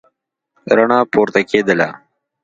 رڼا پورته کېدله.